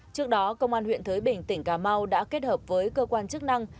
trước đó công an huyện thới bình tỉnh cà mau đã kết hợp với cơ quan chức năng